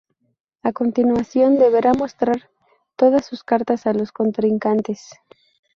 A continuación deberá mostrar todas sus cartas a los contrincantes.